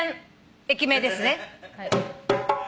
駅名ですね。